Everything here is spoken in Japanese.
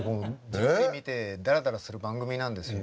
じっくり見てだらだらする番組なんですよ